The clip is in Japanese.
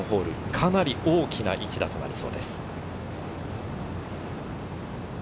かなり個大きな一打となりそうです。